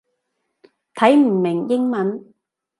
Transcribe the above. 睇唔明英文